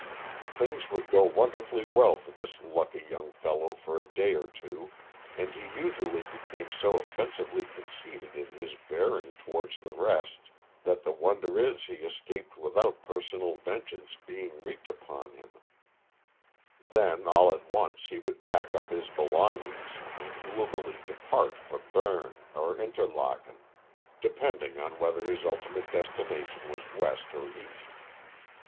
Things would go wonderfully well for this lucky young fellow for a day or two, and he usually became so offensively conceited in his bearing towards the rest, that the wonder is he escaped without personal vengeance being wreaked upon him; then all at once he would pack up his belongings and gloomily depart for Berne or Interlaken, depending on whether his ultimate destination was west or east.